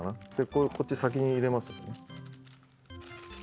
これこっち先に入れます